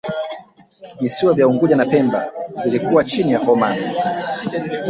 Visiwa vya Unguja na Pemba vilikuwa chini ya Omani